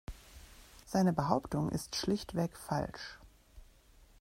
Seine Behauptung ist schlichtweg falsch.